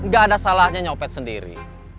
gak ada salahnya nyopet sendiri